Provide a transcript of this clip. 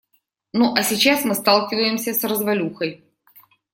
Ну а сейчас мы сталкиваемся с развалюхой.